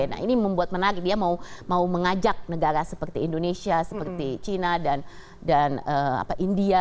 nah ini membuat menarik dia mau mengajak negara seperti indonesia seperti china dan india